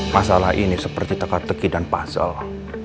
masalah ini seperti teka teki dan puzzle